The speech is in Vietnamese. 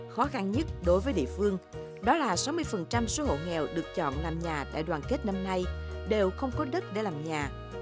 khó khăn nhất đối với địa phương đó là sáu mươi số hộ nghèo được chọn làm nhà đại đoàn kết năm nay đều không có đất để làm nhà